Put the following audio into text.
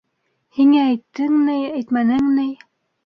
Һиңә әйттең ни, әйтмәнең ни!